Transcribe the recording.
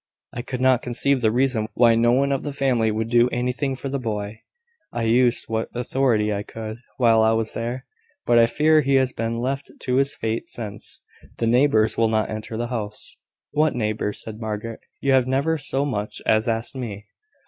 "I could not conceive the reason why no one of the family would do anything for the boy. I used what authority I could, while I was there; but I fear he has been left to his fate since. The neighbours will not enter the house." "What neighbours?" said Margaret. "You have never so much as asked me."